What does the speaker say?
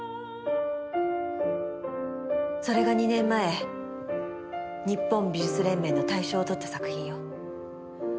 それが２年前日本美術連盟の大賞を取った作品よ。